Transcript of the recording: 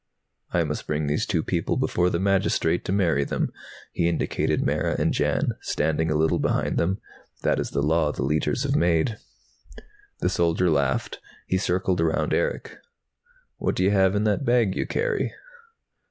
"I must bring these two people before the magistrate to marry them." He indicated Mara and Jan, standing a little behind him. "That is the Law the Leiters have made." The soldier laughed. He circled around Erick. "What do you have in that bag you carry?"